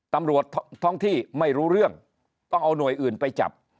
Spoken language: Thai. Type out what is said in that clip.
ตำรวจท้องที่ไม่รู้เรื่องต้องเอาหน่วยอื่นไปจับ